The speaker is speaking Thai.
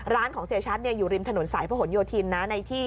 ร้านของเสียชัตริย์อยู่ริมถนนสายพระห่วนโยธินนะ